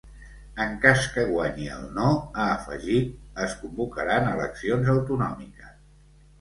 En cas que guanyi el no, ha afegit, es convocaran eleccions autonòmiques.